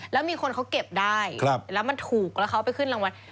แล้วมีคนเขาเก็บได้แล้วมันถูกแล้วเขาไปขึ้นรางวัล